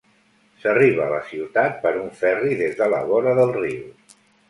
S'arriba a la ciutat per un ferri des de la vora del riu.